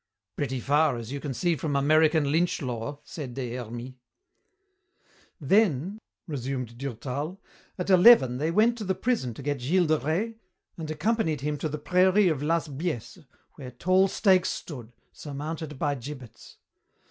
"Pretty far, as you see, from American lynch law," said Des Hermies. "Then," resumed Durtal, "at eleven they went to the prison to get Gilles de Rais and accompanied him to the prairie of Las Biesse, where tall stakes stood, surmounted by gibbets.